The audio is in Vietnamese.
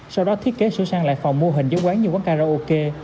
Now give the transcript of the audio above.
sau đó thiết kế sửa sang lại phòng mô hình cho quán như quán karaoke